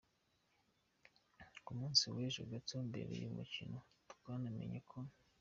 Ku munsi wejo gato mbere yumukino twanamenye ko.